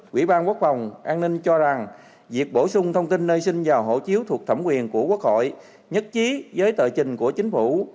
quỹ ban quốc phòng an ninh cho rằng việc bổ sung thông tin nơi sinh vào hộ chiếu thuộc thẩm quyền của quốc hội nhất trí với tờ trình của chính phủ